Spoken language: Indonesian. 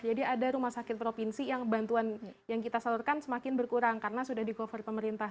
jadi ada rumah sakit provinsi yang bantuan yang kita salurkan semakin berkurang karena sudah di cover pemerintah